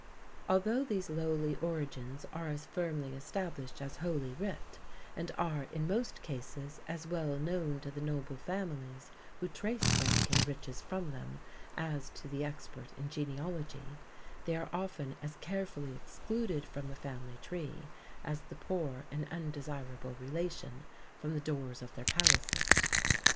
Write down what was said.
Although these lowly origins are as firmly established as Holy Writ, and are in most cases as well known to the noble families who trace rank and riches from them as to the expert in genealogy, they are often as carefully excluded from the family tree as the poor and undesirable relation from the doors of their palaces.